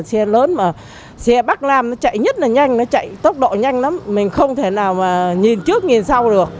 xe lớn mà xe bắt làm nó chạy nhất là nhanh nó chạy tốc độ nhanh lắm mình không thể nào mà nhìn trước nhìn sau được